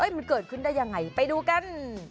มันเกิดขึ้นได้ยังไงไปดูกัน